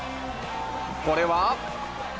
これは。